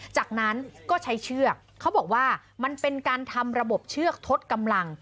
จากนั้นก็ใช้เชือกเขาบอกว่ามันเป็นการทำระบบเชือกทดกำลัง